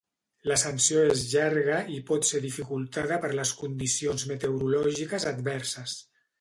L'ascensió és llarga i pot ser dificultada per les condicions meteorològiques adverses.